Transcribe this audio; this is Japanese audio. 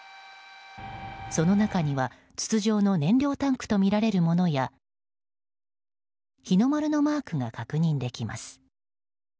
その中には、筒状の燃料タンクとみられるものや日の丸のマークが確認できます。